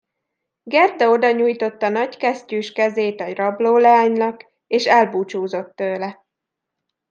Gerda odanyújtotta nagykesztyűs kezét a rablóleánynak, és elbúcsúzott tőle.